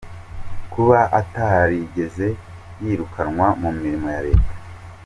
Kuba atarigeze yirukanwa mu mirimo ya leta;.